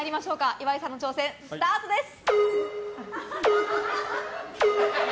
岩井さんの挑戦、スタートです。